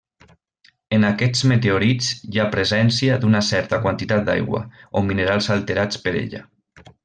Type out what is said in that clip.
En aquests meteorits hi ha presència d'una certa quantitat d'aigua, o minerals alterats per ella.